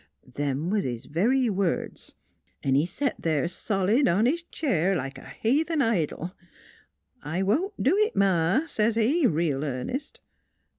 Them was his very words. 'N' he set there solid on his cheer, like a NEIGHBORS n heathen idol. * I won't do it, Ma,' s's he, real earnest.